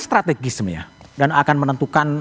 strategisme ya dan akan menentukan